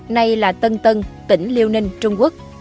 nay là tân tân tỉnh liêu ninh trung quốc